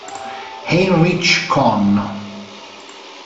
Heinrich Kohn